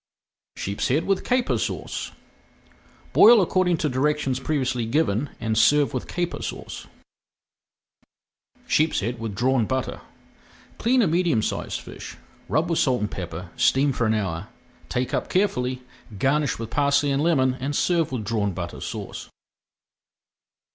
SHEEPSHEAD WITH CAPER SAUCE Boil according to directions previously given and serve with Caper Sauce. SHEEPSHEAD WITH DRAWN BUTTER Clean a medium sized fish, rub with salt and pepper, steam for an hour, take up carefully, garnish with parsley and lemon, and serve with Drawn Butter Sauce.